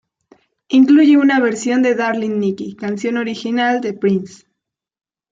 Incluye una versión de "Darling Nikki", canción original de Prince.